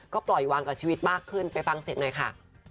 ก็ปล่อยวางกับชีวิตมากขึ้นไปฟังเสียงหน่อยค่ะ